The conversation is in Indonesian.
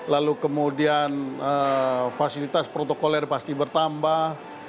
lalu kemudian fasilitas protokoler pasti bertambah